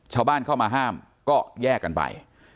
ชาวบ้านเข้ามาห้ามก็แยกกันไป